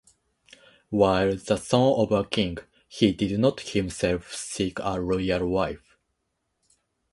While the son of a king, he did not himself seek a royal wife.